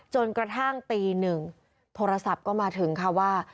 จนกระทั่งตีหนึ่งโทรศัพท์ก็มาถึงค่ะว่า